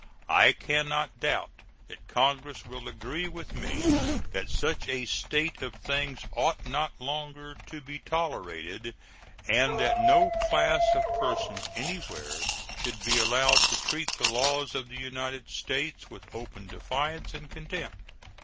I can not doubt that Congress will agree with me that such a state of things ought not longer to be tolerated, and that no class of persons anywhere should be allowed to treat the laws of the United States with open defiance and contempt.